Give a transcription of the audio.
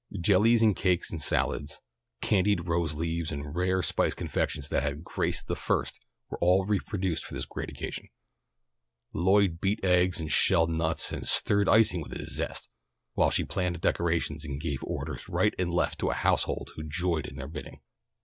Jellies and cakes and salads, candied rose leaves and rare spiced confections that had graced the first were all reproduced for this great occasion. Lloyd beat eggs and shelled nuts and stirred icing with a zest, while she planned the decorations and gave orders right and left to a household who joyed to do her bidding.